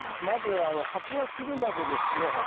まず発芽するまでですね